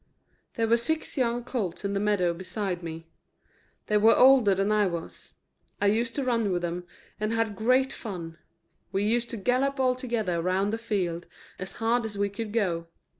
There were six young colts in the meadow beside me; they were older than I was. I used to run with them, and had great fun; we used to gallop all together round the field, as hard as we could go.